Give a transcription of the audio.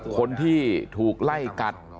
คนที่ถูกไล่กัด